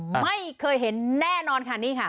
ไม่เคยเห็นแน่นอนค่ะ